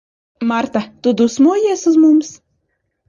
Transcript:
Marta, tu dusmojies uz mums?